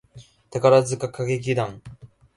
宝塚歌劇団